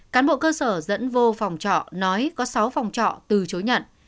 cán bộ cơ sở dẫn vô phòng trọ nói có sáu phòng trọ từ chối nhận